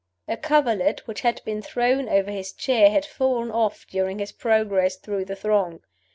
A coverlet which had been thrown over his chair had fallen off during his progress through the throng.